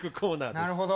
なるほど。